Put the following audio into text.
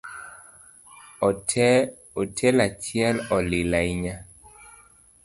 Otel cha olil ahinya